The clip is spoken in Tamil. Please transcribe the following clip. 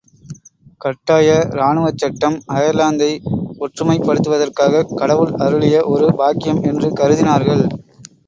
கட்டாய ராணுவச்சட்டம் அயர்லாந்தை ஒற்றுமைப்படுத்துவதற்காகக் கடவுள் அருளிய ஒரு பாக்கியம் என்று கருதினார்கள்.